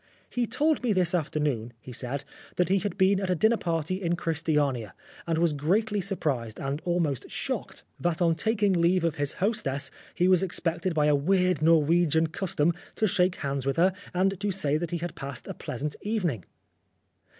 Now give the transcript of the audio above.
" He told me this afternoon," he said, " that he had been at a dinner party in Christiania, and was greatly surprised, and almost shocked, that on tak 236 Oscar Wilde ing leave of his hostess he was expected by a weird Norwegian custom to shake hands with her and to say that he had passed a pleasant evening."